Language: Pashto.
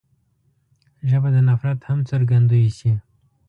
ژبه د نفرت هم څرګندوی شي